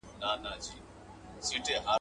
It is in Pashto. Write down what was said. مشران څنګه سیاسي بندیان خوشي کوي؟